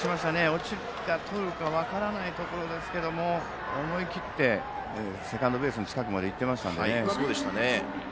落ちるか、とるか分からないところでしたけど思い切ってセカンドベースの近くまで行ってましたね。